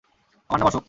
আমার নাম অশোক।